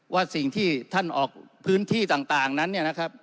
ว่าสิ่งที่ท่านออกพื้นที่ต่างนั้น